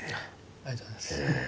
ありがとうございます。